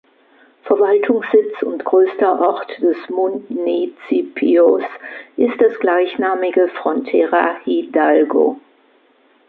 Verwaltungssitz und größter Ort des Municipios ist das gleichnamige Frontera Hidalgo.